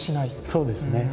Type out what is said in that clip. そうですね。